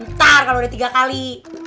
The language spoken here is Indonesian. ntar kalau udah tiga kali